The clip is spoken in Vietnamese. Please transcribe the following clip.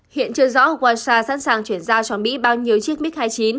hiện chưa rõ hoa sa sẵn sàng chuyển giao cho mỹ bao nhiêu chiếc mig hai mươi chín